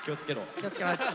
気をつけます。